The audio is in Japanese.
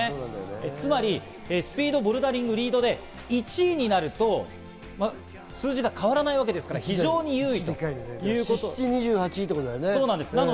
つまりスピード、ボルダリング、リードで１位になると数字が変わらないわけですから非常に優位。